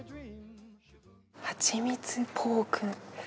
はちみつポーク。